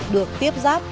được tiếp giáp